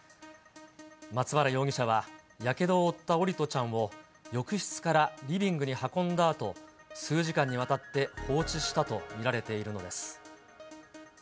松原容疑者は、やけどを負った桜利斗ちゃんを、浴室からリビングに運んだあと、数時間にわたって放置したと見られているのです。